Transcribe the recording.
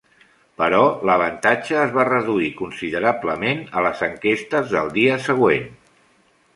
Però l'avantatge es va reduir considerablement a les enquestes del dia següent.